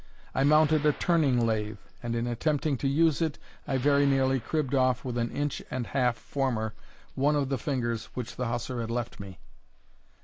I mounted a turning lathe, and in attempting to use it, I very nearly cribbed off, with an inch and half former, one of the fingers which the hussar had left me.